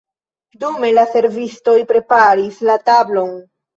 Dume la servistoj preparis la tablon.